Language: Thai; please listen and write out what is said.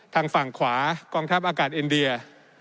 ทางฝั่งขวากองทัพอากาศอินเดีย